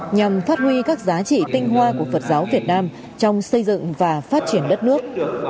nhằm phát huy các giá trị tinh hoa của phật giáo việt nam trong xây dựng và phát triển đất nước